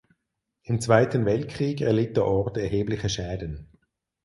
Im Zweiten Weltkrieg erlitt der Ort erhebliche Schäden.